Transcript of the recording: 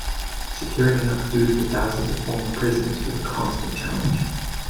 Securing enough food for thousands of former prisoners was a constant challenge.